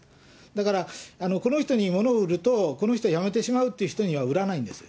だからこの人にものを売ると、この人は辞めてしまうっていう人には売らないんです。